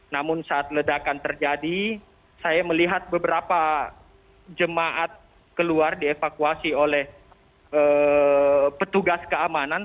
namun saat ledakan terjadi saya melihat beberapa jemaat keluar dievakuasi oleh petugas keamanan